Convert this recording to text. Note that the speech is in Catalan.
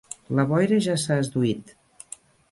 La boira ja s'ha esduït.